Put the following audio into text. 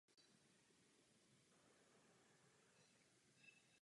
Bezpečnostní letectvo bylo součástí Sboru národní bezpečnosti.